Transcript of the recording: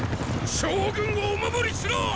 将軍をお守りしろ！